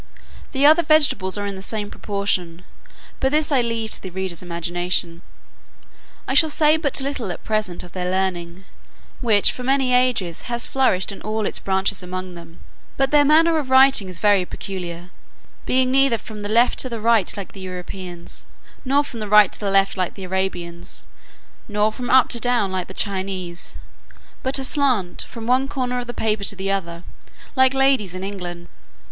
The other vegetables are in the same proportion; but this I leave to the reader's imagination. I shall say but little at present of their learning, which, for many ages, has flourished in all its branches among them: but their manner of writing is very peculiar, being neither from the left to the right, like the Europeans, nor from the right to the left, like the Arabians, nor from up to down, like the Chinese, but aslant, from one corner of the paper to the other, like ladies in England.